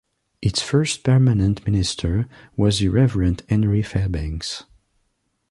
Its first permanent minister was the Reverend Henry Fairbanks.